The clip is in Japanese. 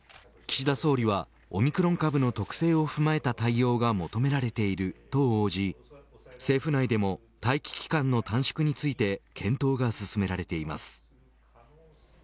岸田総理はオミクロン株の特性を踏まえた対応が求められていると応じ政府内でも待機期間の短縮について検討が進められています。